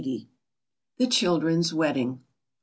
THE CHILDREN'S WEDDING.